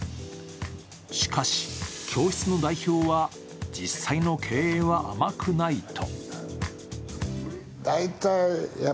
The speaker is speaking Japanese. しかし、教室の代表は実際の経営は甘くないと。